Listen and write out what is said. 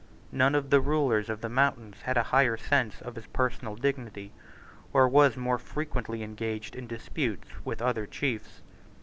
None of the rulers of the mountains had a higher sense of his personal dignity, or was more frequently engaged in disputes with other chiefs.